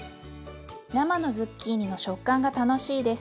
生のズッキーニの食感が楽しいです。